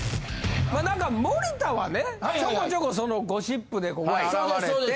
なんか森田はねちょこちょこそのゴシップでここに現れて。